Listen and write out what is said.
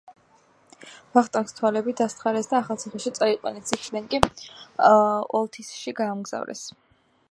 ვახტანგს თვალები დასთხარეს და ახალციხეში წაიყვანეს, იქიდან კი ოლთისში გაამგზავრეს.